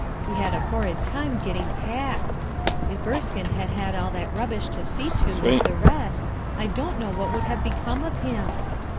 We had a horrid time getting packed ; if Erskine had had all that rubbish to see to with the rest, I don't know what wotdd have become of him.